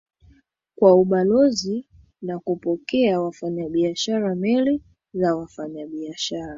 kwa ubalozi na kupokea wafanyabiashara Meli za wafanyabiashara